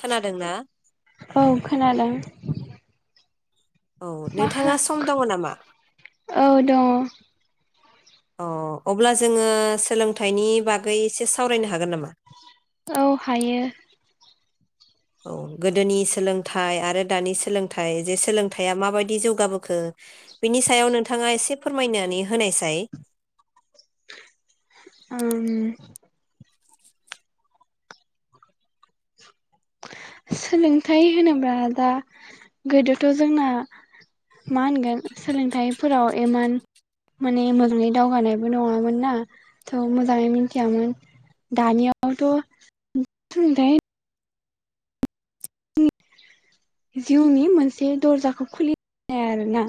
खोनादोंना औ खोनादों औ मा नोंथाङा सम खालामखो दङ नामा? औ दङ अ अब्ला जोङो सोलोंथाइनि बागै एसे सावरायनो हागोन नामा? औ हायो औ गोदोनि सोलोंथाइ आरो दानि सोलोंथाइ जे सोलोंथाइया माबायदि जौगाबोखो बिनि सायाव नोंथाङा एसे फोरमायनानै होनायसाय उम सोलोंथाइ होनोब्ला दा गोदोथ' जोंना मा होनगोन सोलोंथाइफोराव इमान माने मोजाङै दावगानायबो नङामोन ना थ' मोजाङै मिथियामोन दानियावथ' सोलोंथाइ जिउनि मोनसे दर्जाखौ खुलिानाय आरो ना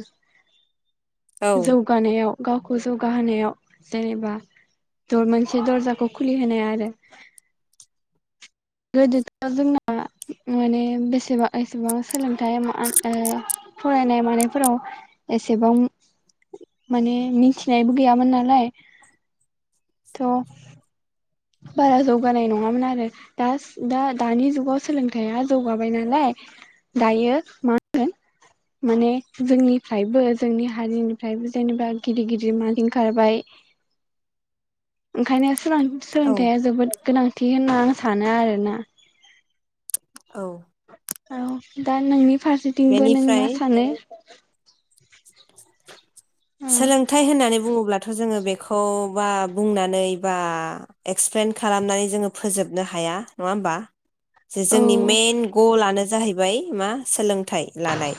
औ जौगानायाव गावखौ जौगाहोनायाव जेनेबा द मोनसे दरजाखौ खुलिहोनाय आरो गोदोथ' जोंना माने बेसेबां एसेबां सोलोंथाइ माहोनो फरायनाय मानायफोराव एसेबां माने मिथिनायबो गैयामोन नालाय थ' बारा जौगानाय नङामोन आरो दा दा दानि जुगाव सोलोंथाइया जौगाबाय नालाय दायो मा होनो माने जोंनिफ्रायबो जोंनि हारिनिफ्रायबो जेनेबा गिदिर गिदिर मादि खारबाय ओंखायनो औ सोलोंथाइया जोबोद गोनां थि होनना आं सानो आरोना औ औ दा नोंनि फारसेथिंबो नों बेनिफ्राय मा सानो [inaudible] सोलोंथाइ होननानै बुङोब्ला दाथ' जोङो बेखौ बा बुंनानै बा एक्सप्लेन खालामनानै जोङो फोजोबनो हाया नङा होमबा जे जोंनि औ मेन गलआनो जाहैबाय मा सोलों थाय लानाय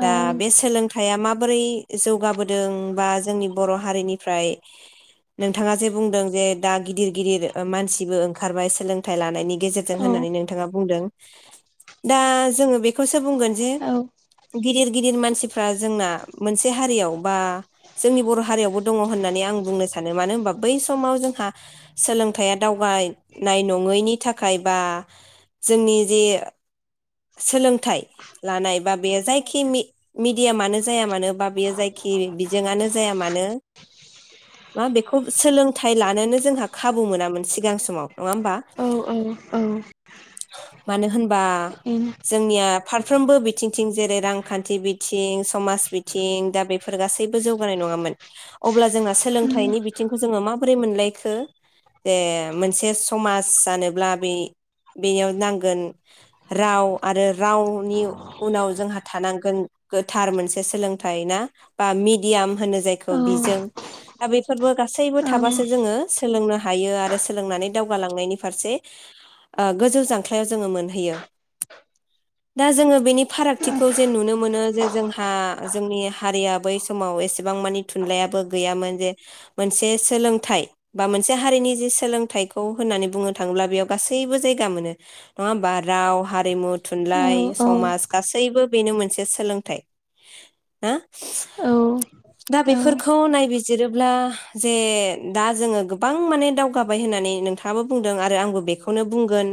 दा बे सोलोंथाया माब [unintelligible] जौगाबोदों बा जोंनि बर' हारिनिफ्राय नोंथाङा जे बुंदों जे दा गिदिर गिदिर मानसिबो ओंखारबाय सोलोंथाइ लानायनि गेजेरजों औ होननानै नोंथाङा बुंदों दा जोङो बेखौ सो बुंगोन जे औ गिदिर गिदिर मान सिफ्रा जोंना मोन से हारियाव बा जोंनि बर' हारियावबो दङ होननानै आं बुंनो सानो मानो होनबा बै समाव जोंहा सोलोंथाइया दावगायनाय नङैनि थाखाय बा जोंनि जे सोलोंथाइ लानाय बा बेयो जायखि मिडियामानो जाया मानो बा बेयो जायखि बिजोंआनो जाया मानो मा बेखौ सोलोंथाइ लानोनो जोंहा खाबु मोनामोन सिगां समाव नङा होमबा औ औ औ मानो होन बा बेनो जोंनिया फारफ्रोमबो बिथिंथिं जेरै रांखान्थि बिथिं समाज बिथिं दा बेफोर गासैबो जौगानाय नङामोन अब्ला जोंहा सोलोंथाइनि बिथिंखौ जोङो माबोरै मोनलायखो जे मोनसे समाज जानोब्ला बे बेयाव नांगोन राव आरो रावनि उनाव जोंहा थानांगोन गोथार मोनसे सोलोंथाइ ना बा मिडियाम होनो औ जायखौ बिजों दा बेफोरबो गासैबो औ थाबासो जोङो सोलोंनो हायो आरो सोलोंनानै दावगालांनायनि फारसे ओ गोजौ जांख्लायाव जोङो मोनहैयो दा जोङो बेनि फारागथिखौ जे नुनो मोनो जे जोंहा जोंनि हारिया बै समाव एसेबां मानि थुनलाइयाबो गैयामोन जे मोनसे सोलोंथाइ बा मोनसे हारिनि जे सोलोंथाइखौ होननानै बुंनो थाङोब्ला बेयाव गासैबो जायगा मोनो नङा होमबा राव हारिमु औ थुनलाइ समास गासैबो बेनो मोनसे सोलोंथाइ ना दा बेफोरखौ नायबिजिरोब्ला जे दा जोङो गोबां माने दावगाबाय होननानै नोंथाङाबो बुंदों आरो आंबो बेखौनो बुंगोन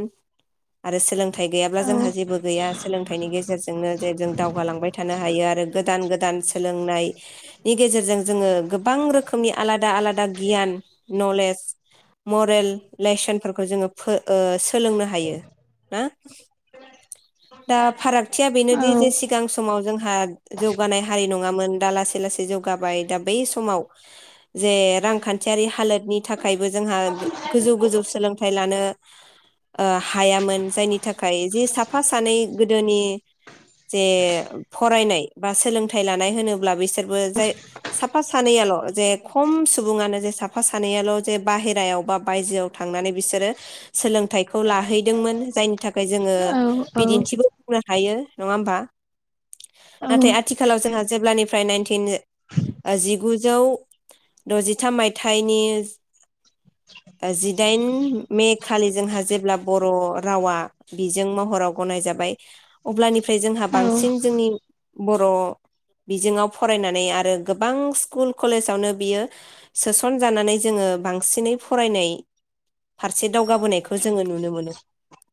आरो सोलों थाइ गैयाब्ला जोंहा जेबो गैया सोलोंथाइनि गेजेरजोंनो जे जों दावगालांबाय थानो हायो आरो गोदान गोदान सोलोंनायनि गेजेरजों जोङो गोबां रोखोमनि आलादा आलादा गियान नलेज मरेल लेसनफोरखौ जोङो फो ओ सोलोंनो हायो ना दा फारागथिया बेनोदि जे सिगां समाव जोंहा जौगानाय हारि नङामोन दा लासै लासै जौगाबाय दा बै समाव जे रांखान्थियारि हालोदनि थाखायबो जोंहा गोजौ गोजौ सोलोंथाइ लानो ओ हायामोन जायनि थाखाय जे साफा सानै गोदोनि जे फरायनाय बा सोलोंथाइ लानाय होनोब्ला बैसोर बो जाय सा फा सानैयाल' जे खम सुबुङानो जे साफा सानैयाल' जे बाहेरायाव बा बायजोआव थांनानै बिसोरो सोलों थायखौ लाहैदोंमोन जायनि थाखाय जोङो औ औ बिदिन्थिबो बुंनो हायो नङा होमबा नाथाय आथिखालाव जोंहा जेब्लानिफ्राय नाइनटिन ओ जिगुजौ द'जिथाम मायथाइनि ओ जिदाइन मे खालि जोंहा जेब्ला बर' रावा बिजों महराव गनाय जाबाय अब्लानिफ्राय जोंहा औ बांसिन जोंनि बर' बिजोंआव फरायनानै आरो गोबां स्कुल कलेसावनो बियो सोसनजानानै जोङो बां बांसिनै फरायनाय फारसे दावगाबोनायखौ जोङो नुनो मोनो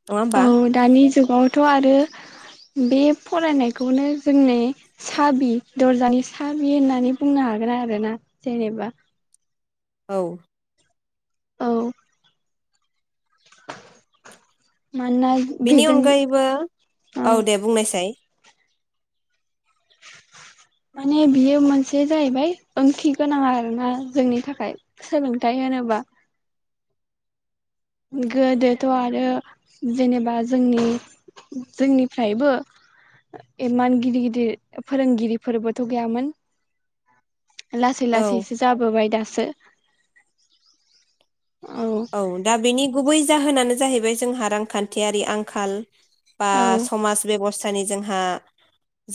नङा औ होमबा दानि जुगावथ' आरो बे फरायनायखौनो जोंनि साबि दरजानि साबि होननानै बुंनो हागोन आरोना जेनेबा औ औ [inaudible] बेनि बेजों अनगायैबो औ दे बुंनायसाय माने बियो मोनसे जाहैबाय ओंथि गोनां आरोना जोंनि थाखाय सोलोंथायाइ होनोबा गोदोथ' आरो जेनेबा जोंनि जोंनिफ्रायबो इमान गिदिर गिदिर फोरोंगिरिफोरबोथ' गैयामोन लासै औ लासैसो जाबोबाय दासो सो औ दा बेनि गुबै जाहोनानो जाहैबाय जोंहा रांखान्थियारि आंखाल बा औ समाज बेबस्था दानि जोंहा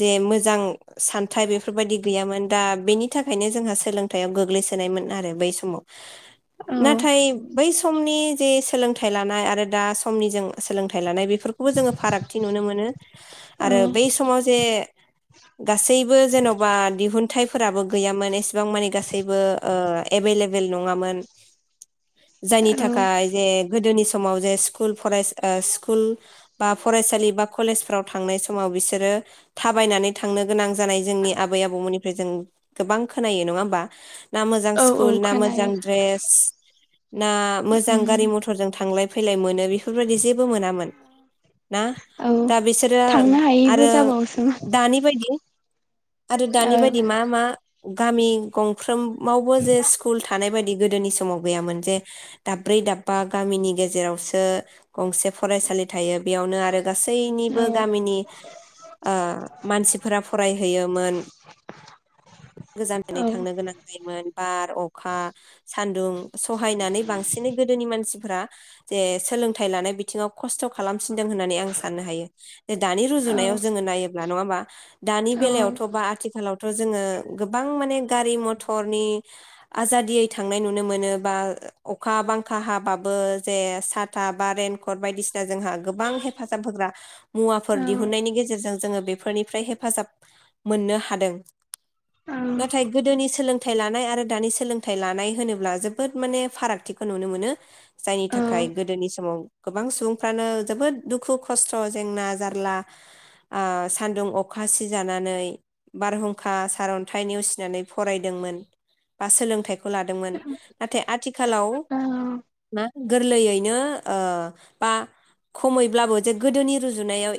जे मोजां सान्थायाइ बेफोरबायदि गैयामोन दा बेनि थाखायनो जोंहा सोलोंथायाइाव गोग्लैसोनायमोन आरो बै समाव बे औ समनि जे सोलोंथाइ लानाय आरो दा समनि जों सोलोंथाइ लानाय बे बेफोरखौबो जोङो फारागथि नुनो मोनो आरो औ बै समाव जे गासैबो जेन'बा दिहुन नथाइफोराबो गैयामोन एसेबां मानि गासैबो एभेलेबेल नङामोन जायनि औ थाखाय जे गोदोनि समाव जे सकुल फरायसा स्कुल बा फरायसालि बा कलेजफ्राव थांनाय समाव बिसोरो थाबायनानै थांनो गोनां जानाय जोंनि आबै आबौमोननिफ्राय जों गोबां खोनायो नङा होमबा ना मोजां औ औ स्कुल ना मोजां खोनायो द्रेस ना मोजां गारि उम मथरजों थांलाय फैलाय मोनो बेफोरबायदि जेबो मोनामोन ना औ दा बिसोरो थांनो हायिबो आरो जाबावसो दानि बायदि आरो ओ दानि बायदि मा मा गामि गंफ्रोम मावबो जे स्कुल थानाय बायदि गोदोनि समाव गैयामोन जे [inaudible] दाब्रै दाबा गामिनि गेज गेजेरावसो गंसे फरायसालि थायो बेयावनो आरो गासैनिबो औ गामिनि ओ मानसिफोरा फरायहैयोमोन गोजान जानानै औ थांनो गोनां जायोमोन बार अखा सानदुं सब बाहायनानै बांसिन गोदोनि मानसिफोरा जे सोलोंथाइ लानाय बिदि बिथिङाव खस्थ खालामफिनदों होननानै आं साननो हायो दानि औ औ रुजुनायाव जोङो नायोब्ला नङा होमबा ब [inaudible] दानि औ बेलायावथ बा आथिखालाव थ जोङो गोबां माने गारि मथरनि आजादियै थांनाय नुनो मोनो बा अखा बांखा हाबाबो जे साथा बा रेनकट बायदिसिना जोंहा गोबां हेफाजाब होग्रा मुवाफोर दिहुननायनि गेजेरजों जोङो बेफोरनिफ्राय हेफाजाब मोननो हादों औ नाथाय गोदोनि सोलों थाइ लानाय आरो दानि सोलोंथाइ लानाय होनोब्ला जोबोद माने फारागथिखौ नुनो मोनो। जायनि थाखाय गोदोनि समाव गोबां सुबुंफ्रानो जोबोद दुखु खस्थ जेंना जारला आ सान्दुं अखा सिजानानै बारहुंखा सारन्थाइ नेवसिनानै फरायदोंमोन बा सोलोंथाइ खौ लादोंमोन नाथाय आथि हेलौ मा? गोरलैयैनो ओ बा खमैब्लाबो जे गोदोनि रुजुनायाव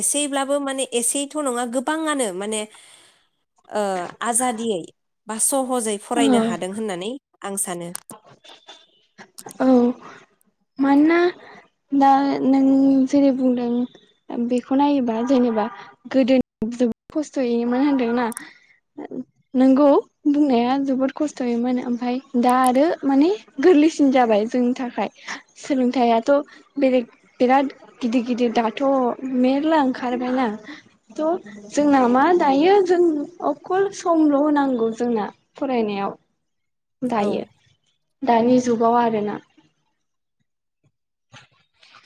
एसेब्लाबो माने एसेथ नङा गोबाङानो माने आजादियै बा सम सहजै औ फरायनो हादों होननानै आं सानो [inaudible] औ मानोना दा नों जेरै बुंदों बेखौ नायोबा जेनेबा गोदोनि जोबोद खस्थयैमोन होनदोंना नोंगौ बुंनाया जोबोद खस्थयैमोन ओमफाय दा आरो माने गोरलैसिन जाबाय जोंनि थाखाय सोलोंथायाथ बेलेग बिराद गिदिर गिदिर दाथ मेरला ओंखारबायना थ जोंना मा दायो जों अखल समल होनांगौ जोंना फरायनायाव औ दायो दानि जुगाव आरो ना [inaudible]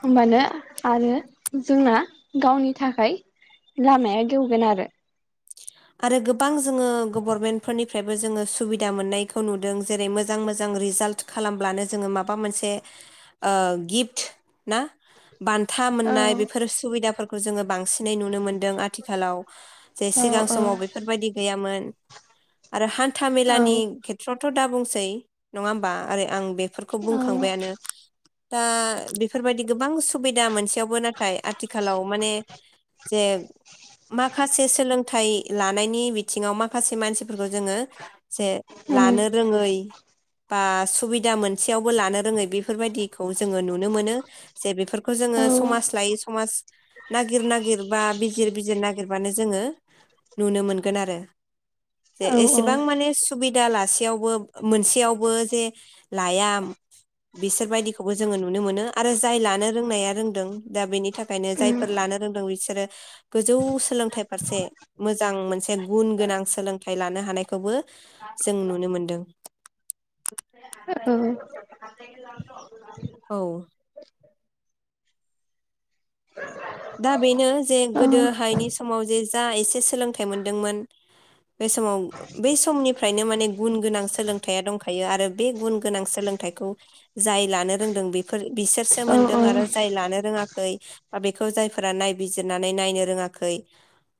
होमबानो आरो जोंना गावनि थाखाय लामाया गेवगोन आरो आरो गोबां जो गभारनमेनफोरनि फ्रायबो जोङो सुबिदा मोननायखौ नुदों जेरै मोजां मोजां रिजाल्ट खालामब्लानो जोङो माबा मोनसे ओ गिफ्ट ना बान्था मोननाय बेफोर सुबिदाफोरखौ खौ जोङो बांसिनै नुनो मोन्दों आथिखालाव जे औ सिगां समाव बेफोरबायदि गैयामोन आरो हान हान्था औ मेलानि खेथ्र थ' दा बुंसै नङा होमबा ओै आं बे बेफोरखौ बुंखांबायानो दा बेफोरबायदि गोबां सुबिदा मोनसेयावबो नाथाय आथिखालाव माने जे माखासे सोलोंथाइ लानायनि बिथिङाव माखासे मानसि जोङो जे औ लानो रोङै बा सुबिदा मोनसेयावबो लानो रोङै बेफोरबायदिखौ जोङो नुनो मोनो जे बेफोर खौ जोङो औ समाज लायो समाज नागिर नागिर बा बिजिर बिजिर नागिरबानो जोङो नुनो मोनगोन आरो जे औ औ एसेबां माने सुबिदा दा लासेयावबो मोनसेयावबो जे लाया बिसोरबायदिखौबो जोङो नुनो मोनो आरो जाय लानो रोंनाया रोंदों दा बेनि थाखायनो उम जायफोर लानो रोंदों बिसोरो गोजौ सोलोंथाइ फारसे मोजां मोनसे गुन गोनां सोलोंथाइ लानो हानायखौबो जों नुनो मोनदों औ दा बेनो जे औ गोदोहायनि समाव जे जा एसे सोलोंथाइ मोनदोंमोन बे समाव बै समनिफ्रायनो माने गुन गोनां सोलोंथायाइया दंखायो आरो बे गुन गोनां सोलोंथाइखौ जाय लानो रोंदों बेफोर बिसोरसो औ मोनदों औ आरो जाय लानो रोङाखै बै जायफोरा नायबिजिरनानै नायनो रोङाखै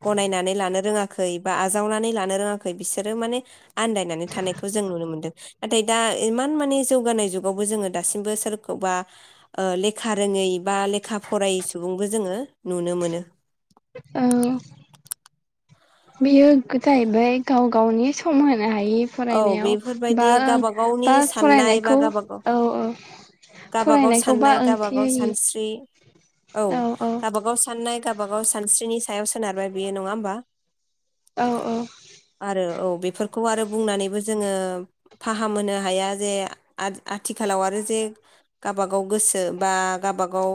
गनायनानै लानो रोङाखै बा आजावनानै लानो रोङाखै बिसोरो माने आन्दायनानै थानायखौ जों नुनो मोनदों नाथाय दा इमान माने जौगानाय जुगावबो जोङो दासिमबो सोरखौबा लेखा रोङै बा लेखा फरायासै सुबुंबो जोङो नुनो मोनो औ बेयो जाहैबाय गाव गावनि सममोन नो हाय औ फरायनायाव बेफोरबायदि बा गावबा गावनि बा फरायनायखौ औ औ गाबागाव फरायनायखौ बा साननाय ओंथि गाबागाव होयि सानस्रि औ गाबागाव साननाय गाब गावबागाव सानस्रिनि सायाव सोनारबाय बेयो नङा होमबा औ-औ आरो औ बेफोरखौ आरो बुंनानैबो जोङो फाहामहोनो हाया जे आ आथिखालाव आरो जे गाबागाव गोसो बा गाबागाव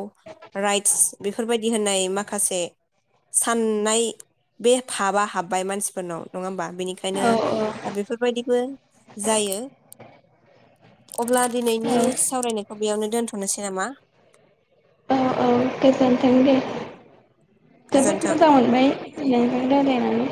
राइट्स बेफोरबायदि होननाय माखासे साननाय बे बाबा हाब्बाय मानसिफोरनाव नङा होमबा बेनिखायनो औ दा बेफोरबायदिबो जायो अब्ला दिनैनि औ सावरायनायखौ बेयावनो दोनथ'नोसै नामा औ गोजोनथों दे गोजोन्थों मोजां मोनबाय नोंजों राय्लायनानै